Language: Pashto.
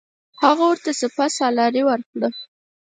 هغه ورته سپه سالاري ورکړه.